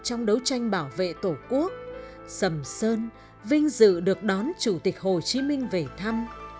trong đấu tranh bảo vệ tổ quốc sầm sơn vinh dự được đón chủ tịch hồ chí minh về thăm